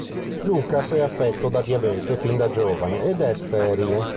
Lucas è affetto da diabete fin da giovane ed è sterile.